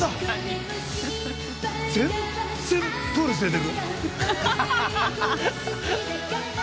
全然プール連れて行く！